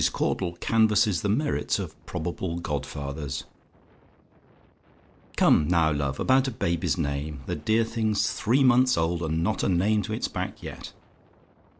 CAUDLE CANVASSES THE MERITS OF PROBABLE GODFATHERS "Come, now, love, about baby's name? The dear thing's three months old, and not a name to its back yet.